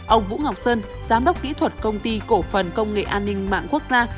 ông vũ ngọc sơn giám đốc kỹ thuật công ty cổ phần công nghệ an ninh mạng quốc gia